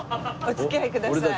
お付き合いください。